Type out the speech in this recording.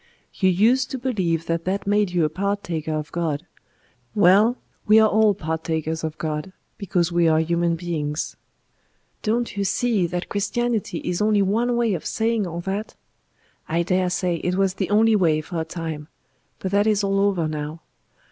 You used to believe that that made you a partaker of God; well, we are all partakers of God, because we are human beings. Don't you see that Christianity is only one way of saying all that? I dare say it was the only way, for a time; but that is all over now.